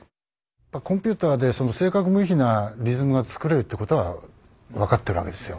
コンピューターで正確無比なリズムが作れるってことは分かってるわけですよ。